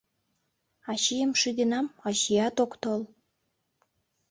Ачийым шӱденам — ачият ок тол...